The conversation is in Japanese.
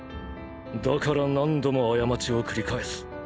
だから何度も過ちを繰り返す。